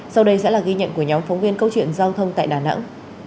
sau đây sẽ là ghi nhận của nhóm phóng viên câu chuyện giao thông tại đà nẵng